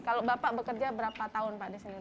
kalau bapak bekerja berapa tahun pak di sini